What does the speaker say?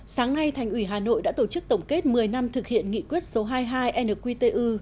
sáng nay thành ủy hà nội đã tổ chức tổng kết một mươi năm thực hiện nghị quyết số hai mươi hai nqtu